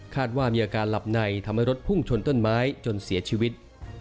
ว่ามีอาการหลับในทำให้รถพุ่งชนต้นไม้จนเสียชีวิต